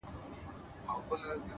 چي ته بېلېږې له مست سوره څخه؛